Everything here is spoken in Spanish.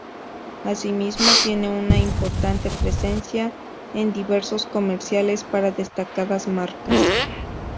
Asimismo, tiene una importante presencia en diversos comerciales para destacadas marcas.